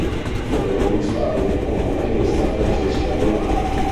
Forma un duo stabile con la pianista Francesca Leonardi.